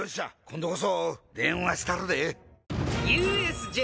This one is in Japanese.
今度こそ電話したるで」